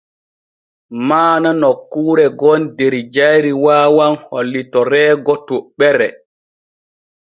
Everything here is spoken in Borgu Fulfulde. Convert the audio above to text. Maana nokkuure gon der jayri waawan hollitoreego toɓɓere.